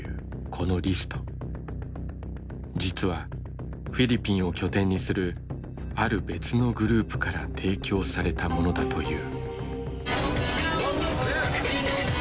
実はフィリピンを拠点にするある別のグループから提供されたものだという。